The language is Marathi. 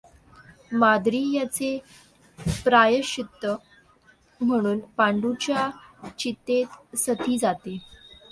माद्री याचे प्रायश्चित्त म्हणून पांडूच्या चितेत सती जाते.